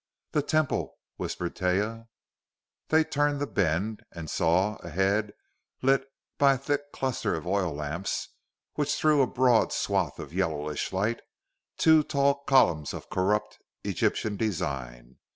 "The Temple!" whispered Taia. They turned the bend, and saw, ahead, lit by a thick cluster of oil lamps which threw a broad swathe of yellowish light, two tall columns of corrupt Egyptian design.